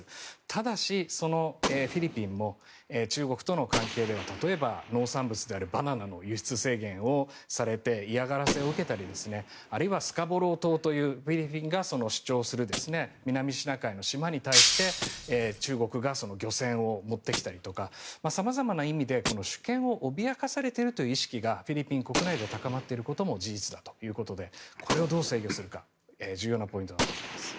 ただし、そのフィリピンも中国との関係では例えば農産物であるバナナの輸出制限をされて嫌がらせを受けたりあるいはスカボロー島というフィリピンが主張する南シナ海の島に対して中国が漁船を持ってきたりとか様々な意味で主権を脅かされているという意思がフィリピン国内で高まっていることも事実だということでこれをどう制御するか重要なポイントだと思います。